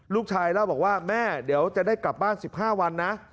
เล่าบอกว่าแม่เดี๋ยวจะได้กลับบ้าน๑๕วันนะ